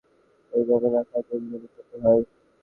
এটা গোপন রাখায় যদি কোনো ক্ষতি হয়?